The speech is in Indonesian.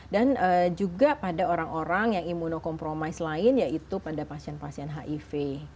dan juga pada orang orang yang imunokompromis lain yaitu pada pasien pasien hiv